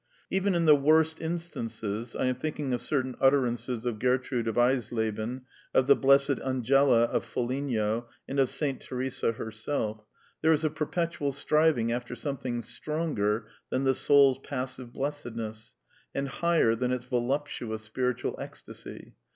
Even in flie worst instances *— I am thinking of certain utterances of Gertrude of» Eisleben,^ of the Blessed Angela of Foligno, and of Saint Teresa herself — there is a perpetual striving after something stronger than the soul's passive blessedness, and higher than its voluptuous spiritual ecstasy.